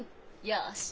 よし！